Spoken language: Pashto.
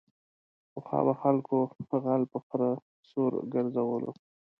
پخوا به خلکو غل په خره سور گرځولو.